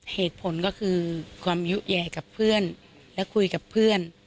เหตุผลก็คือความยุแยกับเพื่อนและคุยกับเพื่อน